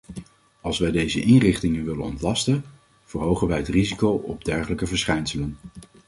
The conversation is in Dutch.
Als wij deze inrichtingen willen ontlasten, verhogen wij het risico op dergelijke verschijnselen.